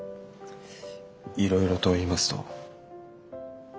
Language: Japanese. いろいろと言いますと？